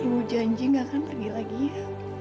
ibu janji gak akan pergi lagi ya